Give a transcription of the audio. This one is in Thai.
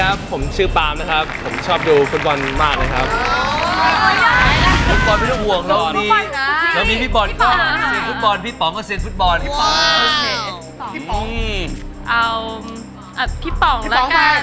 แล้วพี่ป๋องตอบถูกมีโบนัสพิเศษอะไรให้พี่ป๋องมั้ยคะ